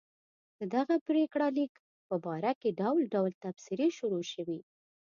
د دغه پرېکړه لیک په باره کې ډول ډول تبصرې شروع شوې.